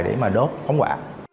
để mà đốt khóng quả